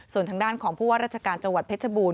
ส่วนทางด้านของผู้ว่าราชการจังหวัดเพชรบูรณ